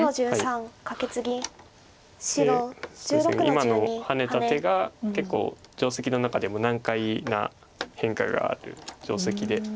今のハネた手が結構定石の中でも難解な変化がある定石で。